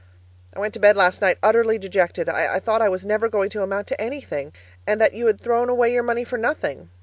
I went to bed last night utterly dejected; I thought I was never going to amount to anything, and that you had thrown away your money for nothing.